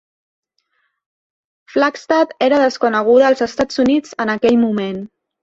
Flagstad era desconeguda als Estats Units en aquell moment.